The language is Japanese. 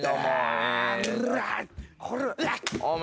お前。